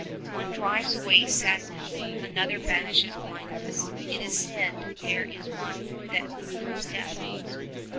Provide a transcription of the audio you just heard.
One drives away sad ness ; another banishes blindness. It is said there is one that overcomes death."